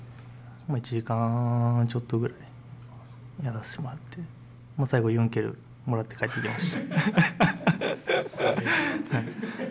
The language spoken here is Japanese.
１時間ちょっとぐらいやらせてもらって最後ユンケルもらって帰ってきました。